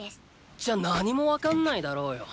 じゃあ何もわかんないだろうよ。